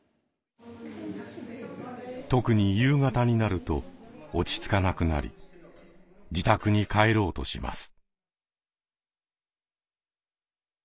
特に夕方になると落ち着かなくなり自宅に帰ろうとします。